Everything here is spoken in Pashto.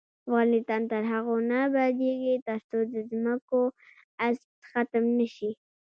افغانستان تر هغو نه ابادیږي، ترڅو د ځمکو غصب ختم نشي.